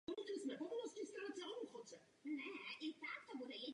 Začínal ve Spišské Nové Vsi.